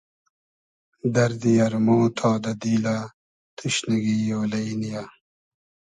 دئردی ارمۉ تا دۂ دیلۂ توشنیگی اۉلݷ نییۂ